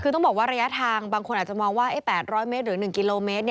คือต้องบอกว่าระยะทางบางคนอาจจะมองว่า๘๐๐เมตรหรือ๑กิโลเมตร